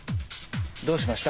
どうしました？